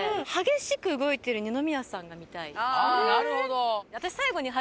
なるほど。